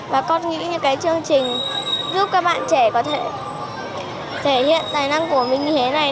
và con nghĩ những cái chương trình giúp các bạn trẻ có thể thể hiện tài năng của mình như thế này